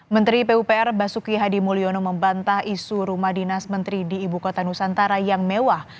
menteri pupr basuki hadi mulyono membantah isu rumah dinas menteri di ibu kota nusantara yang mewah